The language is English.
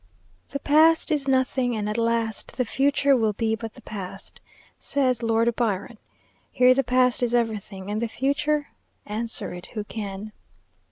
"The Past is nothing; and at last, The Future will but be the Past," says Lord Byron. Here the past is everything; and the future? Answer it who can.